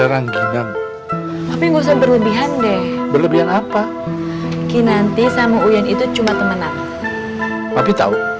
tadi sebel ya sama papi